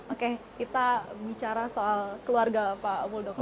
oke kita bicara soal keluarga pak muldoko